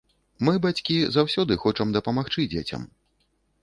Мы, бацькі, заўсёды хочам дапамагчы дзецям.